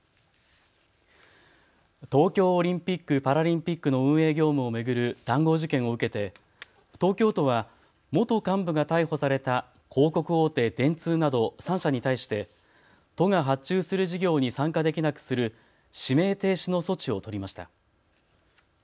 東京オリンピック・パラリンピックの運営業務を巡る談合事件を受けて東京都は元幹部が逮捕された広告大手、電通など３社に対して都が発注する事業に参加できなくする指名停止の措置を取りました。